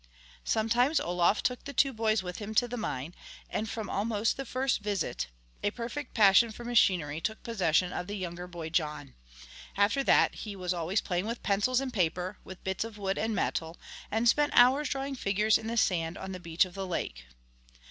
Sometimes Olof took the two boys with him to the mine, and from almost the first visit a perfect passion for machinery took possession of the younger boy John. After that he was always playing with pencils and paper, with bits of wood and metal, and spent hours drawing figures in the sand on the beach of the lake.